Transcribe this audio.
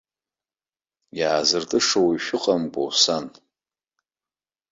Иаазыртыша уаҩ шәыҟамкәоу, сан?!